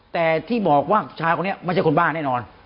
แต่ที่บอกว่าชายคนนี้ไม่ใช่คนบ้าแน่นอน